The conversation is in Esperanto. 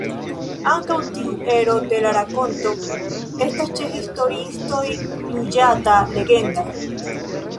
Ankaŭ tiu ero de la rakonto estas ĉe historiistoj juĝata legenda.